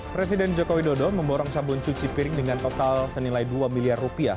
presiden joko widodo memborong sabun cuci piring dengan total senilai dua miliar rupiah